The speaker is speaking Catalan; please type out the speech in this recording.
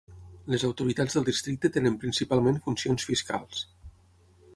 Les autoritats del districte tenen principalment funcions fiscals.